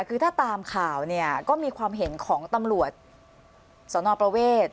คือถ้าตามข่าวเนี่ยก็มีความเห็นของตำรวจสนประเวท